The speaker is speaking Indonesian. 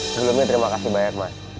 sebelumnya terima kasih banyak mas